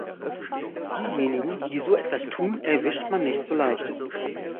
Diejenigen, die so etwas tun, erwischt man nicht so leicht.